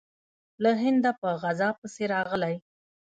له هنده په غزا پسې راغلی.